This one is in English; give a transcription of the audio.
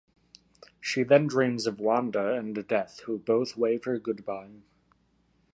She then dreams of Wanda, and Death, who both wave her goodbye.